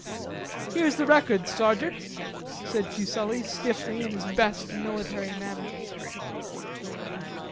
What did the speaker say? "Here's the records, sergeant," said Fuselli stiffly in his best military manner.